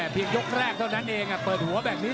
ยกแรกเท่านั้นเองเปิดหัวแบบนี้